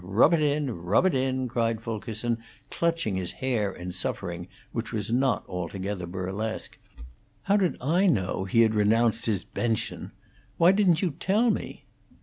Rub it in rub it in!" cried Fulkerson, clutching his hair in suffering, which was not altogether burlesque. "How did I know he had renounced his 'bension'? Why didn't you tell me?"